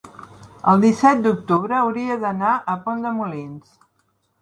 el disset d'octubre hauria d'anar a Pont de Molins.